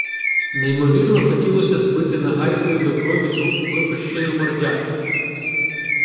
Неймовірно хотілося збити нагайкою до крові ту випещену мордяку.